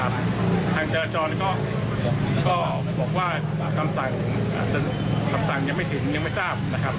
อย่างต่างฐานพร้อมกดทางการการเพิ่มน้ำสายที่กลับของและกลงทาง